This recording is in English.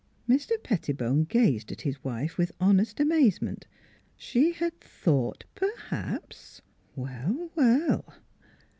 Mr. Pettibone gazed at his wife with honest amazement. She had " thought perhaps " well, well!